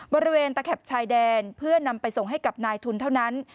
บริเวณตะแคบชายแดนเพื่อนำไปส่งให้กับนายทุนเท่านั้น